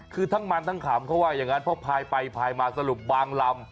คือทั้งมันทั้งขำเขาว่าอย่างนั้นเพราะพายไปพายมาสรุปบางลำ